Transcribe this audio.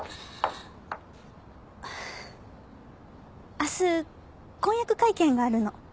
明日婚約会見があるの。